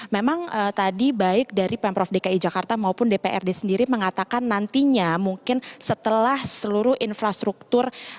memang tadi baik dari pemprov dki jakarta maupun dprd sendiri mengatakan nantinya mungkin setelah seluruh infrastruktur